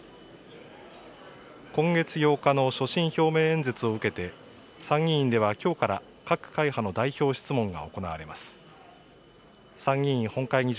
今月８日の所信表明演説を受けて、参議院ではきょうから各会派の代表質問が。